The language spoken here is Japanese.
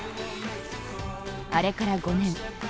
あれから５年。